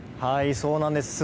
そうなんです。